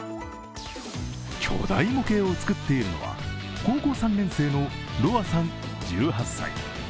巨大模型を作っているのは、高校３年生のＲｏａさん１８歳。